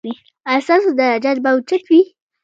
ایا ستاسو درجات به اوچت وي؟